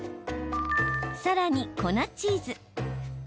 さらに、粉チーズ。